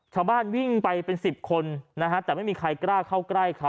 ชาวบ้านวิ่งไปเป็น๑๐คนนะฮะแต่ไม่มีใครกล้าเข้าใกล้เขา